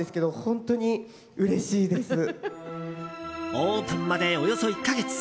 オープンまで、およそ１か月。